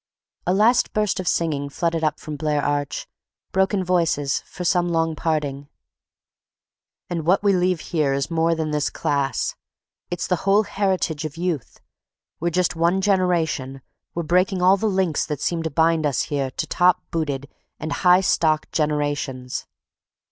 A last burst of singing flooded up from Blair Arch—broken voices for some long parting. "And what we leave here is more than this class; it's the whole heritage of youth. We're just one generation—we're breaking all the links that seemed to bind us here to top booted and high stocked generations.